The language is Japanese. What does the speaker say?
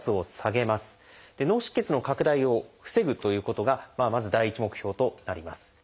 脳出血の拡大を防ぐということがまず第一目標となります。